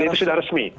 dan itu sudah resmi